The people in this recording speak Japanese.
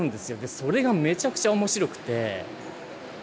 それがめちゃくちゃ面白くて。